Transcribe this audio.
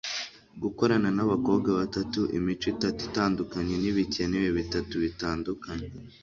gukorana nabakobwa batatu, imico itatu itandukanye nibikenewe bitatu bitandukanye